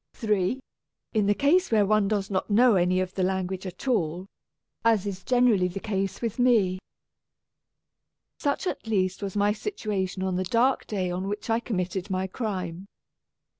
(3) In the case where one does not know any of the ["6] A Tragedy of Twopence language at all, as is generally the case with me. Such at least was my situation on the dark day on which I committed my crime.